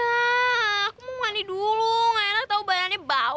aku mau mandi dulu nggak enak tau badannya bau